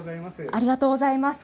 ありがとうございます。